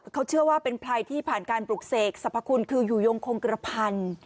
เขาเชื่อว่าเป็นไพรที่ผ่านการปลูกเสกสรรพคุณคืออยู่ยงคงกระพันธุ์